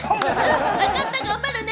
わかった、頑張るね。